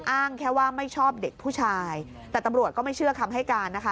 อ้างแค่ว่าไม่ชอบเด็กผู้ชายแต่ตำรวจก็ไม่เชื่อคำให้การนะคะ